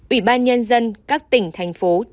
ủy ban nhân dân các tỉnh thành phố